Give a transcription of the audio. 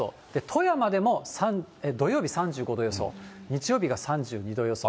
富山でも土曜日３５度予想、日曜日が３２度予想。